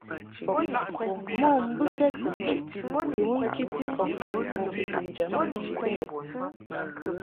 Mo mbɨkɛd kɨ mɨ ŋkiti ntɨʼnjam bi bə.